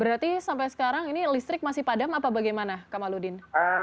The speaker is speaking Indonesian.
berarti sampai sekarang listrik masih padam atau bagaimana kamaludin